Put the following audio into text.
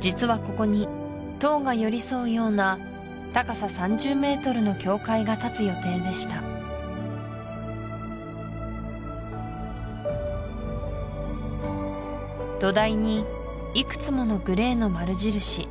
実はここに塔が寄り添うような高さ３０メートルの教会が建つ予定でした土台にいくつものグレーの丸印